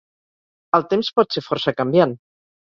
El temps pot ser força canviant.